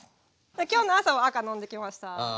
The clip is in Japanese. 今日の朝は赤飲んできました。